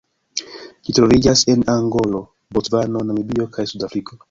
Ĝi troviĝas en Angolo, Bocvano, Namibio kaj Sudafriko.